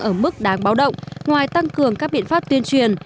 ở mức đáng báo động ngoài tăng cường các biện pháp tuyên truyền